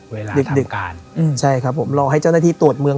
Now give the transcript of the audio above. ดึกดึกอ่านอืมใช่ครับผมรอให้เจ้าหน้าที่ตรวจเมือง